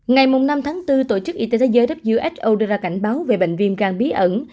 ngày năm tháng bốn tổ chức y tế thế giới who đưa ra cảnh báo về bệnh viêm gan bí ẩn